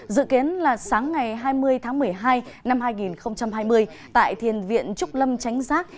dự kiến là sáng ngày hai mươi tháng một mươi hai năm hai nghìn hai mươi tại thiền viện trúc lâm tránh giác